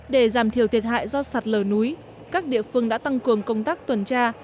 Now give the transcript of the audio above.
để giảm thiểu thiệt hại do sạt lở núi các địa phương đã tăng cường công tác tuần tra